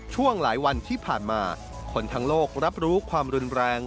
ช่วงหลายวันที่ผ่านมาคนทั้งโลกรับรู้ความรุนแรง